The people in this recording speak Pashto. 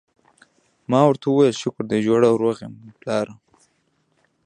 ما ورته وویل: شکر دی جوړ او روغ یم، پلاره.